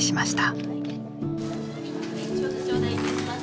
ちょうど頂戴いたします。